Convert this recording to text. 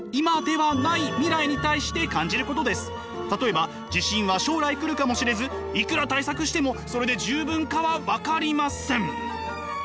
たとえば地震は将来来るかもしれずいくら対策してもそれで十分かは分かりません。